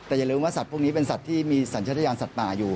แต่อย่าลืมว่าสัตว์พวกนี้เป็นสัตว์ที่มีสัญชาติยานสัตว์ป่าอยู่